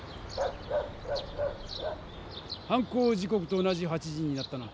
犯行時こくと同じ８時になったな。